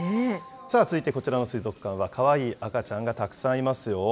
続いてこちらの水族館は、かわいい赤ちゃんがたくさんいますよ。